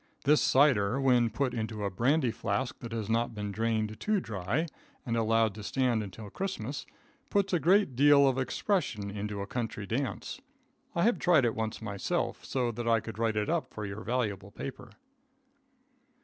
This cider when put into a brandy flask that has not been drained too dry, and allowed to stand until Christmas, puts a great deal of expression into a country dance. I have tried it once myself, so that I could write it up for your valuable paper.